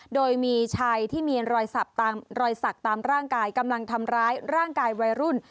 โดยมีชายที่มีรอยสักตามร่างกายกำลังทำร้ายร่างกายวัยรุ่น